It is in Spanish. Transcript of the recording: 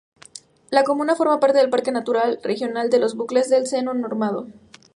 La comuna forma parte del Parque natural regional de los Bucles del Sena normando.